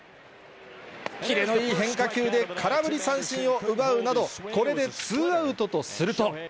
切れのいい変化球で、空振り三振を奪うなど、これでツーアウトとすると。